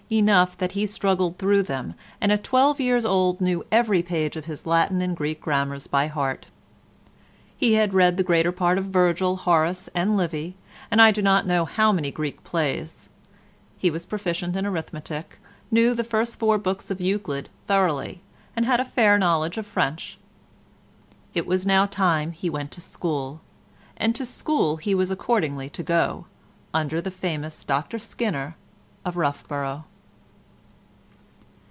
Enough that he struggled through them, and at twelve years old knew every page of his Latin and Greek Grammars by heart. He had read the greater part of Virgil, Horace and Livy, and I do not know how many Greek plays: he was proficient in arithmetic, knew the first four books of Euclid thoroughly, and had a fair knowledge of French. It was now time he went to school, and to school he was accordingly to go, under the famous Dr Skinner of Roughborough.